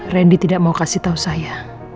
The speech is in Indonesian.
randy tidak mau kasih tahu saya